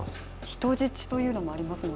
人質というのもありますもんね。